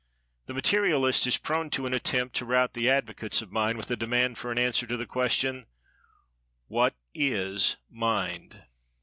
The Materialist is prone to an attempt to rout[Pg 203] the advocates of "Mind" with a demand for an answer to the question, "What is Mind?"